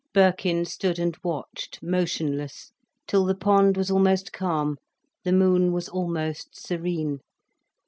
Birkin stood and watched, motionless, till the pond was almost calm, the moon was almost serene.